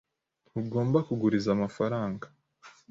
Ntugomba kuguriza amafaranga.